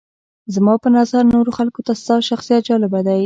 زما په نظر نورو خلکو ته ستا شخصیت جالبه دی.